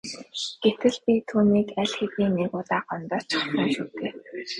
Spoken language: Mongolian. Гэтэл би түүнийг аль хэдийн нэг удаа гомдоочихсон шүү дээ.